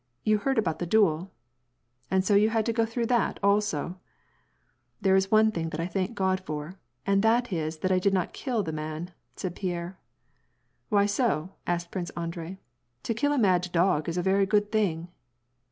You heard about the duel ?"" And so you had to go through that, also !" "There is one thing that I thank God for, and that is that I did not kill that man," said Pierre. " Why so ?" asked Prince Andrei, " to kill a mad dog is a very good thing."